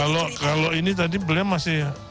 kalau ini tadi beliau masih